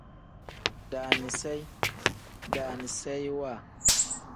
Daaniseyi pl: daaniseyiwa n.